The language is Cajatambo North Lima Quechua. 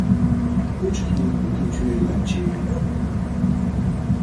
¡Puchka yakuta chuyayachiy!